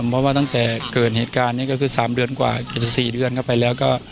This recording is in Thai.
เพราะว่าตั้งแต่เกิดเหตุการณ์นี้ก็คือ๓เดือนกว่า๗๔เดือนเข้าไปแล้วก็